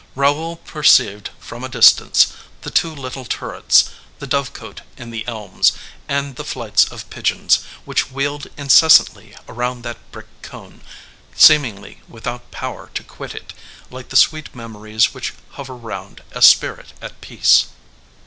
Raoul perceived, from a distance, the two little turrets, the dove cote in the elms, and the flights of pigeons, which wheeled incessantly around that brick cone, seemingly without power to quit it, like the sweet memories which hover round a spirit at peace.